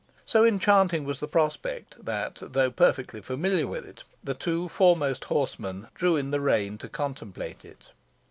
So enchanting was the prospect, that though perfectly familiar with it, the two foremost horsemen drew in the rein to contemplate it.